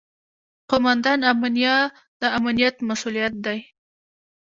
قوماندان امنیه د امنیت مسوول دی